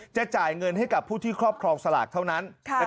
จ่ายเงินให้กับผู้ที่ครอบครองสลากเท่านั้น